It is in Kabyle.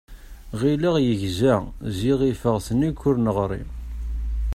Ɣileɣ yegza, ziɣ ifeɣ-t nekk ur neɣṛi.